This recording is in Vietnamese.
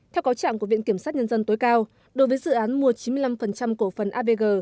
theo cáo trạng của viện kiểm sát nhân dân tối cao đối với dự án mua chín mươi năm cổ phần avg